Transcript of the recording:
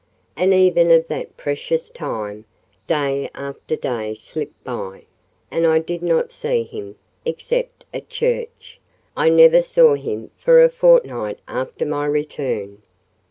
And even of that precious time, day after day slipped by and I did not see him: except at church, I never saw him for a fortnight after my return.